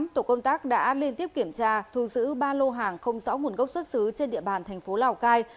tổ công tác đã liên tiếp kiểm tra thu giữ ba lô hàng không rõ nguồn gốc xuất xứ trên địa bàn thành phố lào cai